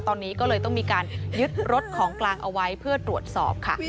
ตอนนี้ก็เลยต้องมีการยึดรถของกลางเอาไว้เพื่อตรวจสอบค่ะ